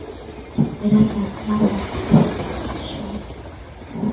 Grazas, grazas, señor Moxón.